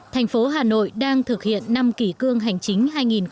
thành phố hà nội đang thực hiện năm kỷ cương hành chính hai nghìn một mươi chín